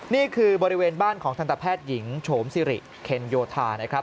นี่คือบริเวณบ้านของทันตแพทย์หญิงโฉมซิริเคนโยธานะครับ